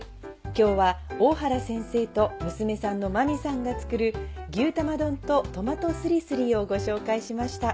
今日は大原先生と娘さんの万実さんが作る「牛玉丼」と「トマトすりすり」をご紹介しました。